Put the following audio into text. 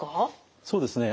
そうですね